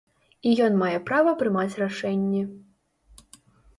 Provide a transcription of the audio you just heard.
І ён мае права прымаць рашэнні.